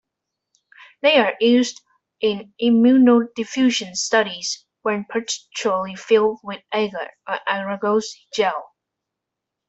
They are used in immunodiffusion studies when partially filled with agar or agarose gel.